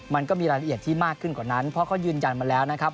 มันก็มีรายละเอียดที่มากขึ้นกว่านั้นเพราะเขายืนยันมาแล้วนะครับ